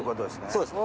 そうです。